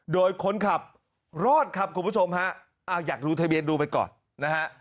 โดยคนขับรอดครับคุณผู้ชมฮะอ้าวอยากดูทะเบียนดูไปก่อนนะฮะ